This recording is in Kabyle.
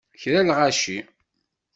Kra n lɣaci!